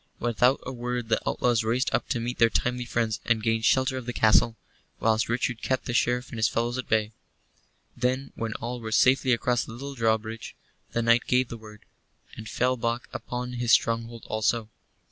Without a word the outlaws raced up to meet their timely friends, and gained shelter of the castle, whilst Sir Richard kept the Sheriff and his fellows at bay. Then, when all were safely across the little drawbridge, the knight gave the word, and fell back upon his stronghold also.